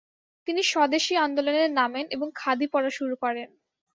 তিনি স্বদেশী আন্দোলনে নামেন এবং খাদি পরা শুরু করেন।